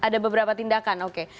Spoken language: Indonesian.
ada beberapa tindakan oke